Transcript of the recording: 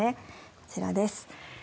こちらです。